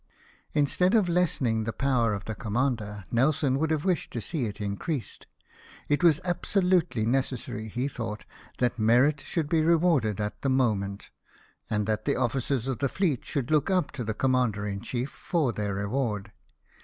Instead of lessening the power of the commander, Nelson would have wished to see it increased. It was absolutely necessary, he thought, that merit should be rewarded at the moment, and that the officers of the fleet should look up to the Commander in Chief for their reward.